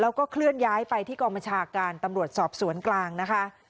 แล้วก็เคลื่อนย้ายไปที่กองบัญชาการตำรวจสอบสวนกลางนะคะ